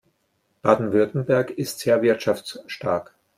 Baden-Württemberg ist sehr wirtschaftsstark.